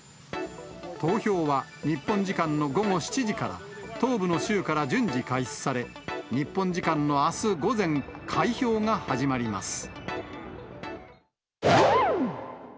投票は日本時間の午後７時から、東部の州から順次開始され、日本時間のあす午前、開票が始まります。